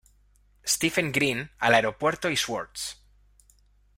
Stephen Green al aeropuerto y Swords.